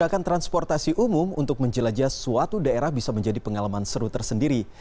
menggunakan transportasi umum untuk menjelajah suatu daerah bisa menjadi pengalaman seru tersendiri